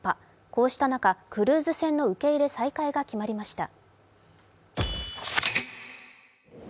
こうした中、クルーズ船の受け入れ再開が決まりました。